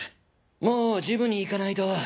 もうジムに行かないと。